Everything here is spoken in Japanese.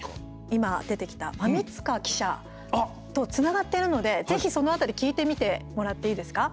今、出てきた馬見塚記者とつながっているのでぜひ、その辺り聞いてみてもらっていいですか。